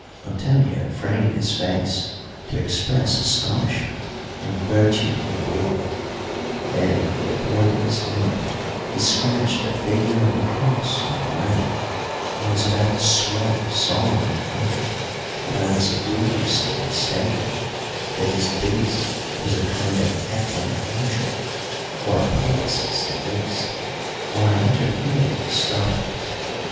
Antonio framed his face to express astonishment and virtue indignant; then with the point of his knife he scratched the figure of a cross on the ground, and was about to swear solemnly on it that I was egregiously mistaken, that his beast was a kind of equine angel, ora Pegasus, at least, when I interfered to stop him.